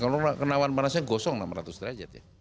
kalau kena awan panasnya gosong enam ratus derajat ya